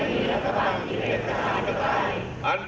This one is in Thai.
นายพรเพชรวิชิชชนลชัยประธานสภานิติบัญญัติแห่งชาติ